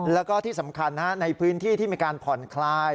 แล้วก็ที่สำคัญในพื้นที่ที่มีการผ่อนคลาย